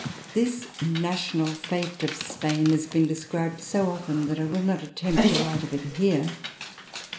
This national fete of Spain has been described so often that I will not attempt to write of it here.